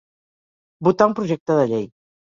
Votar un projecte de llei.